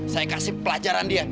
saya kasih pelajaran dia